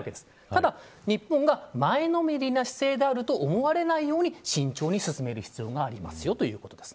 ただ、日本が前のめりな姿勢であると思われないように慎重に進める必要がありますよ